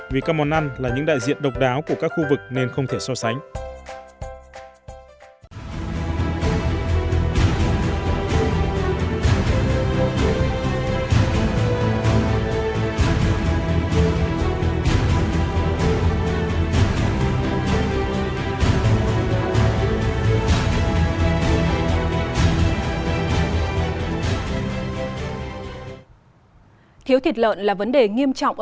vì các món ăn là những đại diện độc đáo của các khu vực nên không thể so sánh